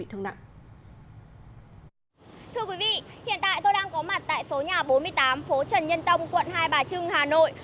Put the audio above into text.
thưa quý vị hiện tại tôi đang có mặt tại số nhà bốn mươi tám phố trần nhân tông quận hai bà trưng hà nội